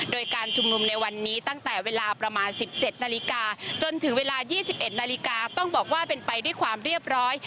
โดยการชุมนุมในวันนี้ตั้งแต่เวลาประมาณ๑๗นาฬิกาจนถึงเวลา๒๑นาฬิกาต้องบอกว่าเป็นไปด้วยความเรียบร้อย